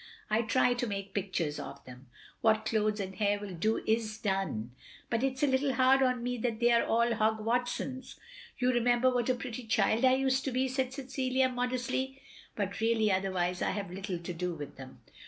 I try to make pictures of them. What clothes and hair will do is done. But it 's a little hard on me that they are all Hogg Watsons. You remember what a pretty child I used to be, " said Cecilia, modestly. But really otherwise I have little to do with them.